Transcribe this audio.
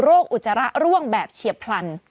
อุจจาระร่วงแบบเฉียบพลัน